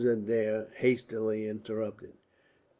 Adair hastily interrupted.